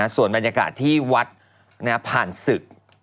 ส่วนบรรยากาศที่วัดผ่านศึก